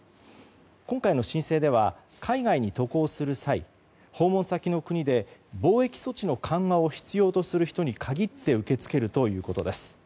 今回の申請では海外に渡航する際訪問先の国で防疫措置の緩和を必要する人に限って受け付けるということです。